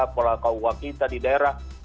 para kawah kita di daerah